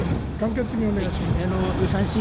簡潔にお願いします。